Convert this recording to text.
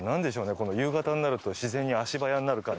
この夕方になると自然に足早になる感じ。